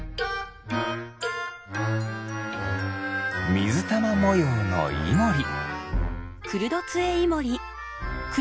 みずたまもようのイモリ。